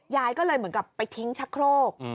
ยายก็เลยเหมือนกับไปทิ้งชะโครก